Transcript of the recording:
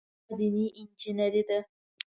دا دیني انجینیري ده.